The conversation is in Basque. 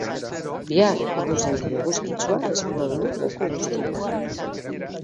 Bihar egunsenti eguzkitsua espero dugu leku guztietan.